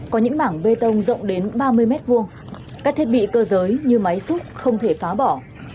có những mảng bê tông rộng đến ba mươi m hai các thiết bị cơ giới như máy xúc không thể phá bỏ